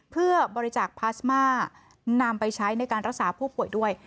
เพื่อบริจาคพลาสมานำไปใช้ในการรักษาผู้ป่วยด้วย